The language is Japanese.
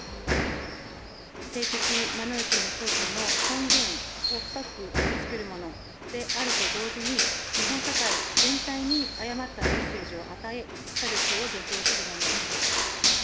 性的マイノリティーの人々の尊厳を深く傷つけるものであると同時に、日本社会全体に誤ったメッセージを与え、差別を助長するものです。